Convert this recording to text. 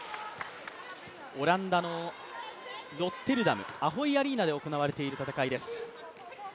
オランダのロッテルダム、アホイ・アリーナで行われている戦いです。